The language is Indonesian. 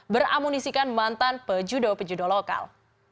beramunisikan mantan pejudo pejudo lokal